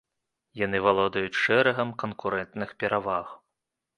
Яны валодаюць шэрагам канкурэнтных пераваг.